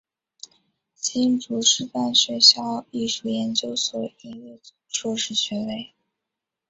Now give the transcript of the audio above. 新竹师范学校艺术研究所音乐组硕士学位。